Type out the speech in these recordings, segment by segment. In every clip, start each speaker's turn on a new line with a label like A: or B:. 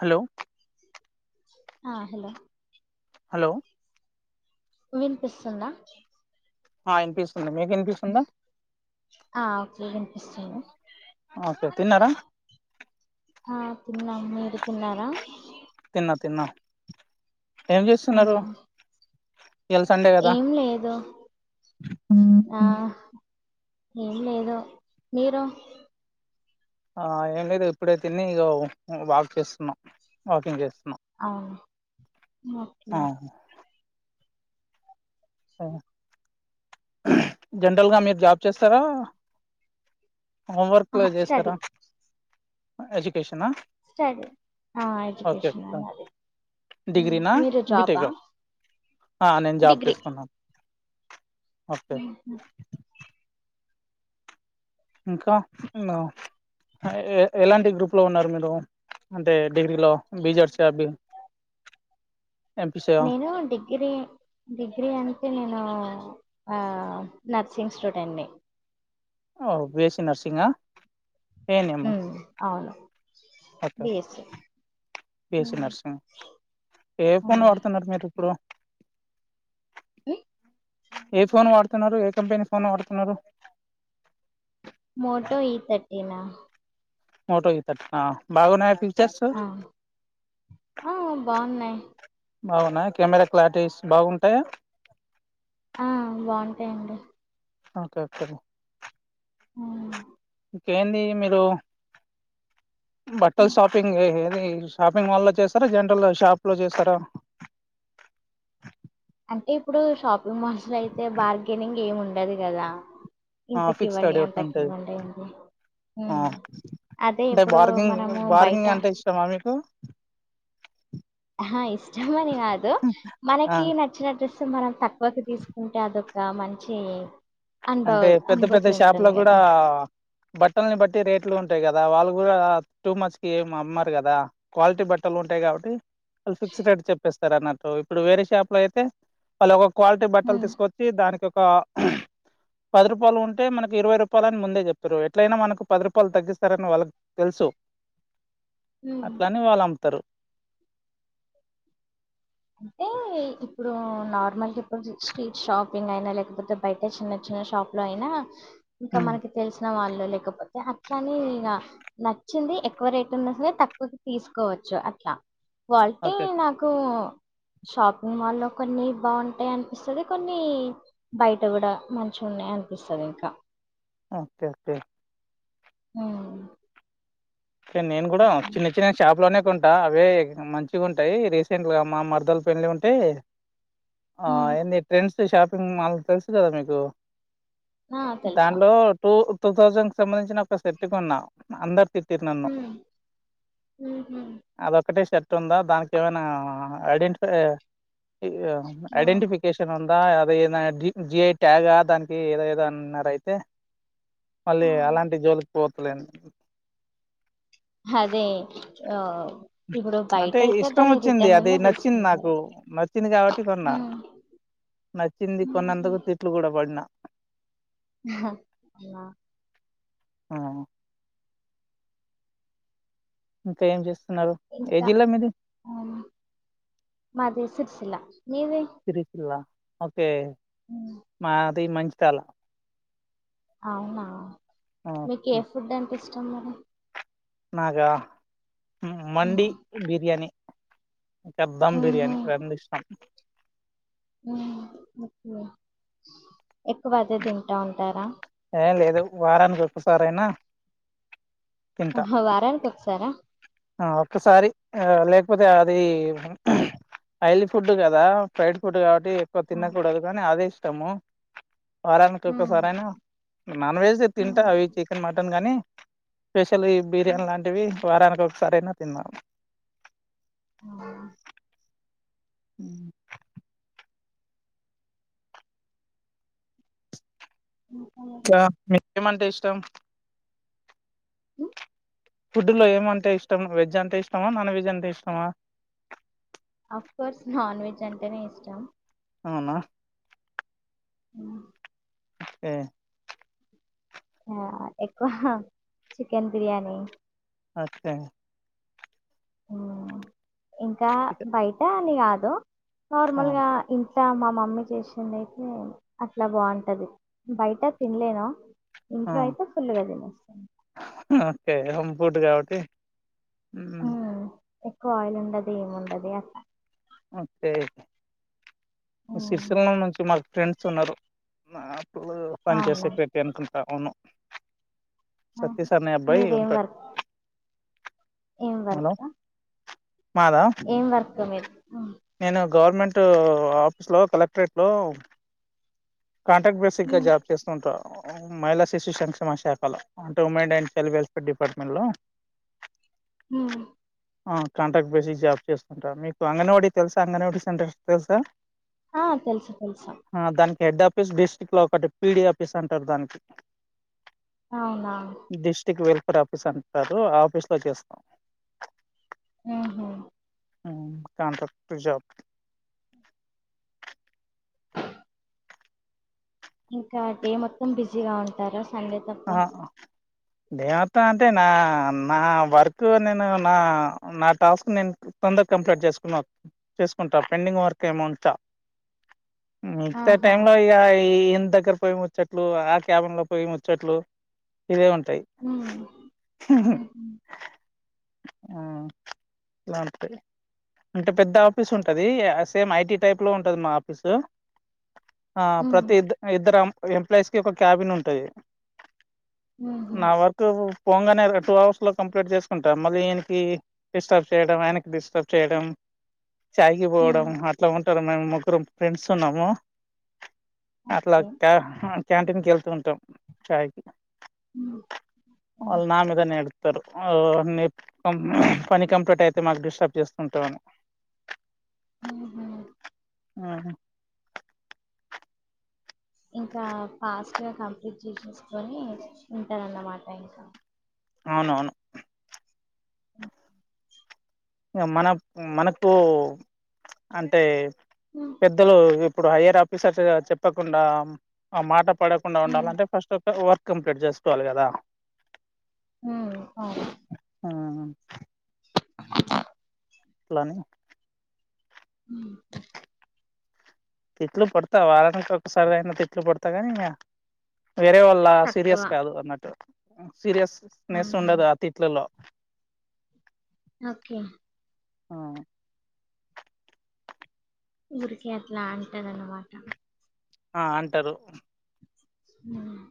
A: Hello
B: ఆ hello
A: hello
B: వినిపిస్తుందా?
A: ఆ అనిపిస్తుంది మీకు వినిపిస్తుందా?
B: ఆ ఓకే కనిపిస్తాను
A: ఓకే తిన్నారా?
B: ఆ తిన్నాం మీరు తిన్నారా?
A: తిన్నా తిన్నా ఏం చేస్తున్నారు?
B: ఉమ్,
A: ఇయాల సండే కదా
B: ఏం లేదు ఆ
A: ఉహు
B: ఏం లేదు మీరు?
A: ఆ ఏం లేదు ఇప్పుడే తిని ఇగ వాక్ చేస్తున్నాం వాకింగ్ చేస్తున్నాం.
B: అవును అ
A: ఆ జనరల్గా మీరు జాబ్ చేస్తారా? హోంవర్క్ లో
B: ఆహా స్టడీ
A: చేస్తారా, ఎడ్యుకేషనా?
B: చడ్ ఆ
A: ఓకే
B: ఎడ్యుకేషన అది
A: డిగ్రీనా
B: మీరు
A: బీటెక్
B: జాబా?
A: ఆ నేను జాబ్ తీసుకున్నాను.
B: ఉ
A: ఇంకా ఎ ఎలాంటి గ్రూప్ లో ఉన్నారు మీరు? అంటే డిగ్రీలో బిజెడ్స్ అబిన్
B: నేను అండి ఇది డిగ్రీ అంటే నేను ఆ నర్సింగ్ స్టూడెంట్ని
A: ఓ బిఎస్సి నర్సింగ్గా, ఏ న్ మ్
B: ఉమ్ అవును బిఎస్స్సి
A: బిఎస్స్సి నర్సింగ్ ఏ ఫోన్
B: ఉమ్,
A: వాడుతున్నారు మీరు ఇప్పుడు?
B: ఉ
A: ఏ ఫోన్ వాడుతున్నారు, ఏ కంపెనీ ఫోన్ వాడుతున్నారు?
B: మోటో ఈథర్టీ అన్నా.
A: మోటో ఈ థర్టీనా బాగున్నాయా ఫీ
B: అవును ఆ బావున్నాయి.
A: బావున్నయా కెమెరా క్లారిటీస్ బాగుంటాయా.
B: ఆ బావుంటాయండి.
A: ఓకే, ఓకేలే.
B: ఆ
A: ఇంకేంది మీరు, బట్టల్
B: హ్మ్.
A: షాపింగ్ ఏ ఏది చూస్ షాపింగ్ మాల్లో చేస్తరా, జనరల్ షాప్లో చేస్తరా.
B: అంటే ఇప్పుడు షాపింగ్ మాల్స్లో అయితే బార్గెనింగ్ ఏం ఉండదు కదా. ఇంతకి
A: ఫిక్స్డ్
B: ఇవ్వండి
A: ఒకటి
B: అంతకి
A: ఉంటది
B: ఇవ్వండి అని.
A: ఆ,
B: అదే
A: అంటే
B: ఇప్పుడు
A: బార్గింగ్
B: మనము బయట
A: బార్గింగ్ అంటే ఇష్టమా మీకు.
B: ఆహ ఇష్టమని కాదు
A: ఆ
B: మనకి న నచ్చిన డ్రెస్ మనం తక్కువకి తీసుకుంటే అదొక మంచి అనుభవ
A: అంటే పెద్ద పెద్ద
B: అనుభూతి
A: షాపులో
B: ఉంటుంది
A: కూడా
B: గదా!
A: బట్టలని బట్టి రేట్లు ఉంటయి కదా వాళ్ళు కూడా టూ మచ్కి ఏమి అమ్మరు కదా. క్వాలిటీ బట్టలు ఉంటయి కాబట్టి వాళ్ళు ఫిక్స్డ్ రేట్ చెప్పేస్తరు అన్నట్టు, ఇప్పుడు వేరే షాప్లో అయితే వాళ్ళు ఒక క్వాలిటీ బట్టలు
B: హ్మ్.
A: తీసుకొ చ్చి దానికి ఒక పది రూపాలు ఉంటే మనకి ఇరవై రూపాలు అని ముందే చెప్తరు ఎట్లయినా మనకు పది రూపలు తగ్గిస్తరని వాళ్ళకు తెలుసు
B: హ్మ్.
A: అట్లని వాళ్ళు అమ్ముతరు.
B: అంటే ఇప్పుడు నార్మల్గా ఇప్పుడు స్ట్రీట్ షాపింగ్ అయినా లేకపోతే బయట చిన్న చిన్న షాపులో అయినా ఇంకా
A: ఉమ్,
B: మనకి తెలిసిన వాళ్ళు లేకపోతే అట్లని ఇగ నచ్చింది ఎక్కువ రేట్ ఉన్న సరే తక్కువకు తీసుకోవచ్చు అట్లా. క్వాలిటీ
A: ఓకే
B: నాకు షాపింగ్ మాల్లో కొన్ని బావుంటయి అనిపిస్తది, కొన్ని బయట కూడా మంచిగా ఉన్నయి అనిపిస్తది ఇంకా.
A: Okay okay.
B: హ్
A: అయితే నేను కూడా చిన్నయి శినయి షాప్ లోనే కొంటా అవే మంచిగా ఉంటయి, రీసెంట్గా మా మరదలు పెళ్లి ఉంటే ఆ
B: ఉమ్.
A: ఏంది ట్రెండ్స్ ది షాపింగ్ మాల్ తెలుసు కదా మీకు
B: ఆ తెలుసా
A: దాంట్లో టూ టూ థౌసండ్ కు సంబంధించిన ఒక సెట్ కొన్నా అందరు తి
B: ఉ ఉహ్.
A: అదొకటే షర్ట్ ఉందా దానికి ఏమైనా ఐడెంటిఫై
B: ఆ
A: ఐడెంటిఫి కేషన్ ఉందా అది ఏ జి జిఐ ట్యాగా దానికి ఏదో ఏదో అన్నరు అయితే మళ్ళీ అలాంటి జోలికి పోతలేను.
B: అదే ఓ
A: అంటే ఇష్టం వచ్చింది అది నచ్చింది
B: తీసుకుంటారు
A: నాకు నచ్చింది కాబట్టి కొన్నా.
B: ఉమ్
A: నచ్చింది
B: ఉమ్హు.
A: కొన్నందుకు తిట్లు కూడా పడినా.
B: అలా
A: ఆ ఇంకా ఏం చేస్తున్నారు ఏ
B: ఇంకా
A: జిల్లా మీది
B: మాది సిరిసిల్ల లేవే
A: సిరిసిల్ల ఓకే
B: హ
A: మాది మంచి తాల
B: అవునా మీకు ఏ ఫుడ్ అంటే ఇష్టం మేడమ్
A: నాగా మండీ బిర్యానీ ద్దమ్
B: ఉహు
A: బిర్యానీ రెండు ఇష్టం
B: హ్మ్ ఓకే ఎక్కువ అదే తింటా ఉంటారా
A: ఏ లేదు వారానికి ఒక్కసారయినా
B: హ వారానికి ఒకసారా
A: ఆ ఒక్కసారి ఆ లేకపోతే అది ఆయిల్ ఫుడ్ కదా ఫ్రైడ్ ఫుడ్ కా ఎక్కువ
B: ఉమ్,
A: తినకూడదు కానీ అదే ఇష్టము వారానికి ఒకసార అయినా నాన్ వెజ్
B: ఉమ్,
A: తింటా అవి చికెన్ మటన్ గానీ స్పెషల్ ఈ
B: ఉమ్.
A: బిర్యానీ లాంటివి వారానికి ఒకసారయినా తిన్నా
B: ఆ
A: హ్మ్
B: ఇంతలో
A: ఇంకా మీకేమంటే ఇష్టం ఫుడ్ లో ఏమంటే ఇష్టం వెజ్ అంటే ఇష్టమా నాన్ వెజ్ అంటే ఇష్టమా
B: అఫ్ కోర్స్ నాన్ వెజ్ అంటేనే ఇష్టం
A: అవునా
B: హ్మ్
A: ఏ
B: ఆ ఎక్కువ చికెన్ బిర్యానీ
A: ఓకే
B: ఇంకా బయట అని కాదు
A: ఆ
B: నార్మల్గా ఇంట్లా మా మమ్మీ చేసింది అయితే అట్లా బావుంటది బయట తిన లేదా
A: ఆ
B: ఇంట్లో అయితే ఫుల్గా తినేస్తాను
A: ఓకే హోం ఫుడ్ కాబట్టి
B: ఉమ్, ఎక్కువ ఆయిల్ ఉండది ఏమి ఉండది అంట
A: ఓకే
B: ఉమ్,
A: సిరిసిల్లం నుంచి మాకు ఫ్రెండ్స్ ఉన్నారు నాకు పనిచేసి
B: అవునా
A: పెట్టిఅనుకుంటా అవును సతీష్ అనే అబ్బాయి
B: మీరేం
A: ఉంటాడు
B: వర్క్ ఏం వర్క్
A: హలో మాదా
B: ఏం వర్క్ మీరు
A: నేను గవర్నమెంట్ ఆఫీస్ లో కలెక్టరేట్ లో కాంట్రాక్ట్ బేసిక్ గా
B: ఉమ్,
A: జాబ్ చేస్తుంటా మహిళా శిశు సంక్షేమ శాఖలో అంటే women and child welfare department లో
B: హ్మ్
A: ఆ కాంట్రాక్ట్ బేసిస్ జాబ్ చేస్తా ఉంట మీకు అంగన్వాడి వాడి తెలుసా అంగన్వాడి సెంటర్ తెలుసా
B: ఆ తెలుసు తెలుసు
A: ఆ దానికి హెడ్ ఆఫీస్ డిస్ట్రిక్ట్ లో ఒకటి పిడి ఆఫీస్ అంటారు దానికి
B: అవునా
A: డిస్ట్రిక్ట్ వెల్ఫేర్ ఆఫీస్ అంటారు ఆ ఆఫీస్ లో చేస్తాం
B: హహ
A: ఆ కాంట్రాక్టు జాబ్
B: ఇంకా డే మొత్తం బిజీగా ఉంటారు సండే తప్ప
A: ఆ దే అత్తా అంటే నా నా వర్క్ నేను నా నా టాస్క్ నేన్ తొంద కంప్లెట్ జేస్కునా చేస్కుంటా పెండింగ్ వర్క్ ఏం ఉంచ్చ మితా టై
B: ఆహా
A: లో ఇగ ఈ ఇన్ దగ్గర్ పోయి ముచ్చట్లు ఆ క్యాబిన్ లో ము చెట్లు ఇవే ఉంటై
B: ఉ ఉహు
A: ఆ లాంతే అంటే పెద్ద ఆఫీసు ఉంటదీ సేమ్ ఐ టీ టైప్ లో ఉంటది మా ఆఫీసు ఆ
B: ఉమ్.
A: ప్రతి ఇద్ ఇద్దరుం అం ఎంప్లాయస్కి ఒక క్యాబిన్ ఉంటది
B: ఊహూ.
A: నా వర్కు పొంగనే టూ అవర్స్ లో కంప్లెట్ జేస్కుంటా మళ్ళీ ఇన్కి డిస్టర్బ్ చేయడం ఆయినకి డిస్టర్బ్ చేయడం చాయ్ కి పోవడం
B: హ్మ్.
A: అట్లా ఉంటది మేము ముగ్గురం ఫ్రెండ్స్ ఉన్నాము అట్లా
B: ఓకే.
A: క్యా క్యాంటీన్కి ఎళ్తూ ఉంటం చాయ్కి
B: హ్మ్.
A: వాల్ నా మీదనే ఎడ్ తరు ఓ నీ పని కంప్లెట్ అయితే మాకు డిస్టర్బ్ చేస్తుంటవ్ అని
B: ఉహు
A: ఆహ
B: ఇంకా ఫాస్ట్గా కంప్లీట్ జేసేస్కొని ఉంటారన్నమాట ఇంకా
A: అవునవును
B: [inaudible]
A: ఇగ మనక్ మనకూ అంటే
B: హు
A: పెద్దలు ఇప్పుడు హైయర్ ఆఫీసర్సు చెప్పకుండా ఆ మాట పడకు కుండా
B: హ్మ్.
A: ఉండాలంటే ఫస్ట్ ఒక వర్క్ కంప్లీట్ జేస్కోవాలి గదా
B: ఉ అవు
A: ఆ
B: [unintelligible]
A: ట్లని
B: ఉ
A: తిట్లు పడ్తా వారానికి ఒకసారి అయినా తిట్లు పడ్తా కానీ ఇగ వేరే వాళ అలా
B: తక్కువ.
A: సీరియస్ కాదు అన్నట్టు సీరియస్ నెస్
B: ఆహా!
A: ఉండదు తిట్లలో
B: ఓకే
A: ఆ
B: ఊరికే అట్లా అంటరు అన్నమాట
A: ఆ అంటారు
B: ఉన్నాయ్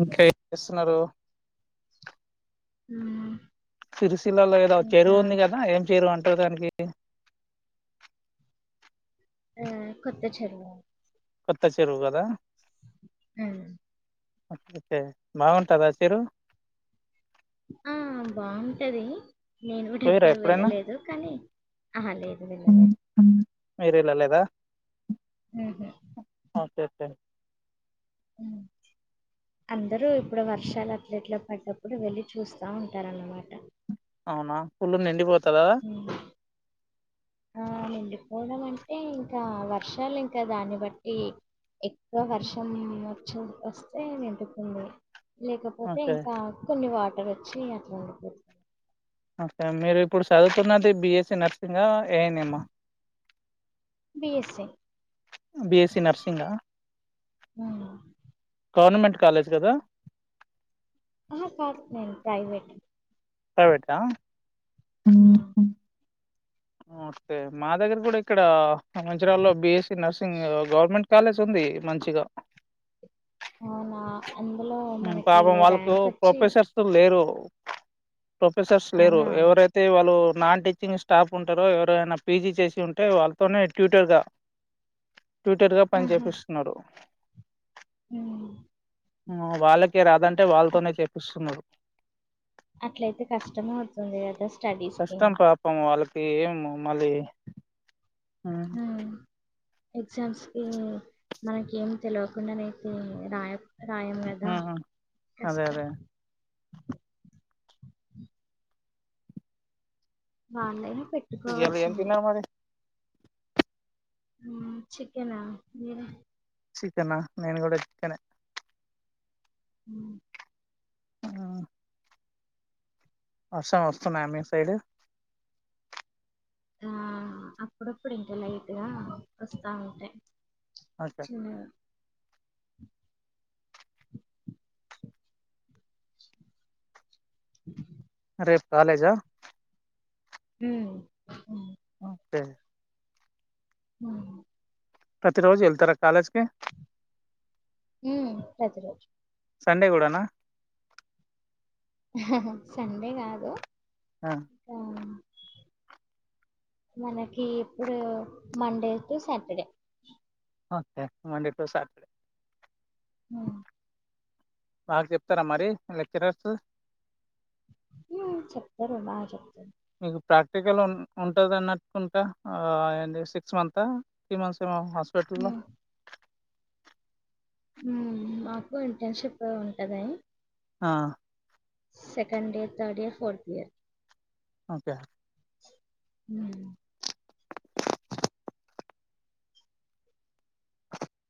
A: ఇంకా జేస్సున్నారు
B: హ
A: సిరిసిల్లలో ఏదో చెరువు ఉంది గదా ఏం చెరువు అంటారు దానికి
B: ఆ కొత్త చెరువు
A: కొత్త చెరువు కదా
B: హ్
A: ఓకే బాగుంటందా చెరు
B: ఆ బాగుంటది నేను కూడా
A: పోయిరా
B: ఎప్పుడు
A: ఎప్పుడైనా
B: వెళ్ళలేదు కానీ అహ లేదు వెళ్ళలేదు
A: మీరూ ఎల్లలేదా
B: ఉహ్
A: ఆ టె టె
B: హ్మ్. అందరూ ఇప్పుడు వర్షాలు అట్లట్లా పడ్డప్పుడు వెళ్ళి చూస్తా ఉంటారు. అన్నమాట
A: అవునా ఫుల్ నిండిపోతదా
B: ఉమ్. ఆ నిండిపోవడం అంటే ఇంకా వర్షాలు ఇంకా దాన్ని బట్టి ఎక్కువ వర్షం వచ్చ వస్తే నిండుకుంది. లేకపోతే
A: ఓకే
B: ఇంకా కొన్ని వాటర్ వచ్చి అట్లా ఉండిపోతది.
A: ఓకే మీరు ఇప్పుడు చదువుతున్నది BSc nursing A N M
B: BSc
A: BSc nursing
B: హ్
A: గవర్నమెంట్ కాలేజ్ కదా
B: ఆహా కాదు నేను ప్రైవేట్
A: ప్రైవేట హ్ అస్తే మా దగ్గర కూడా ఇక్కడ మంచిరాలలో B SC nursing government college ఉంది మంచిగా
B: అవునా అందులో
A: ఉమ్,
B: మనకి
A: పాపం వాళ్ళకు
B: ర్యాంక్ వోచ్చి
A: ప్రొఫెసర్స్ లేరు ప్రొఫెసర్స్ లేరు.
B: అవునా
A: ఎవరైతే వాళ్ళు నాన్ టీచింగ్ స్టాఫ్ ఉంటారో ఎవరైనా పీజీ చేసి ఉంటే వాళ్ళతోనే ట్యూటర్ గా ట్విట్టర్ గా పనిచేపిస్తున్నారు.
B: హ్
A: వాళ్ళకే రాదంటే వాళ్ళతోనే
B: అట్-
A: చేపిస్తున్నారు.
B: అట్లయితే కష్టము ఆవుతుంది అడ్రెస్స్
A: కష్టం పాపము వాళ్ళకి ఏ మళ్ళీ ఉమ్,
B: హ్ ఎగ్జామ్స్ కి మనకి ఏం తెలియకుండానైతే రాయదు రాయం కాదా
A: ఉమ్, అదే
B: కష్టం
A: అదే
B: దాన్ లేనే పేట్
A: ఇది ఎం తీన్నారు మరీ
B: చికెన మీరూ
A: చికెనా నేన్ కూడా చికెనే
B: హ్
A: ఆ వర్షం వస్తున్నాయా మీ సైడ్
B: ఆ అప్పుడప్పుడు ఇంకా లైట్గా వస్తా ఉంటాయి.
A: ఓకే
B: హ్
A: రేపు కాలేజా
B: ఏ
A: టే
B: ఉ
A: ప్రతి రోజు వెళ్తరా కాలేజ్ కి
B: మ్మ్మ్మ్ ప్రతిరోజు
A: సండే కూడానా
B: సండే కాదు
A: ఆ
B: మనకి ఇప్పుడు Monday to Saturday
A: okay Monday to Saturday
B: ఆ
A: బాగా చెప్తరా మరి లెక్చరర్స్
B: చెప్తరు బ చెప్తరు
A: మీకు ప్రాక్టికల్ ఉంటద న్నట్టుకుంటా అ ఏంటి సిక్స్ మంతా త్రీ మంత్స్ ఏమో హాస్పిటల్ లో
B: ఉమ్, మ్మ్ మాకు ఇంటర్న్షిప్ ఉంటది
A: ఆ
B: second year third year fourth year
A: okay
B: ఉహు